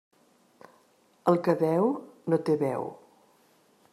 El que deu no té veu.